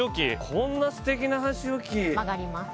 こんな素敵な箸置き曲がります